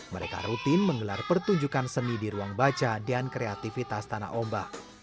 mereka rutin menggelar pertunjukan seni di ruang baca dan kreativitas tanah ombak